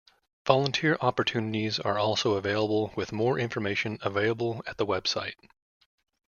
Volunteer opportunities are also available with more information available at the website.